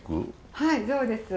はいそうです。